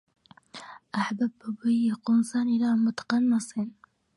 أحبب به قنصا إلى متقنص